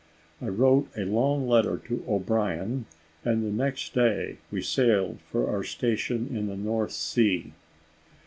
I wrote a long letter to O'Brien, and the next day we sailed for our station in the North Sea.